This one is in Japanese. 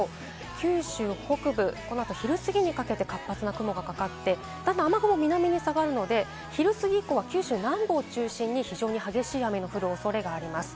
九州北部、このあと昼すぎにかけて活発な雲がかかって、雨雲は南に下がるので、昼すぎ以降は九州南部を中心に非常に激しい雨の降るおそれがあります。